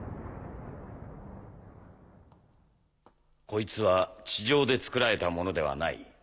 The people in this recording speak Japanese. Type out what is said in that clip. こいつは地上で作られたものではない。